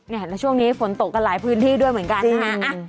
แล้วช่วงนี้ฝนตกกันหลายพื้นที่ด้วยเหมือนกันนะฮะ